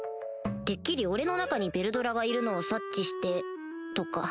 てっきり俺の中にヴェルドラがいるのを察知してとか。